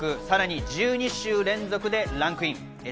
さらに１２週連続でランクイン。